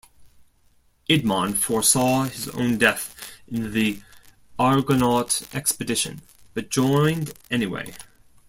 Idmon foresaw his own death in the Argonaut expedition, but joined anyway.